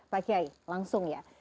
pak kiai langsung ya